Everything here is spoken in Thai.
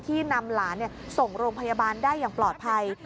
นำหลานส่งโรงพยาบาลได้อย่างปลอดภัย